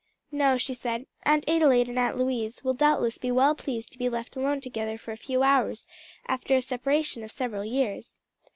"No," she said, "Aunt Adelaide and Aunt Louise will doubtless be well pleased to be left alone together for a few hours, after a separation of several years."